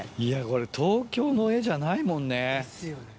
これ東京の画じゃないもんね。ですよね。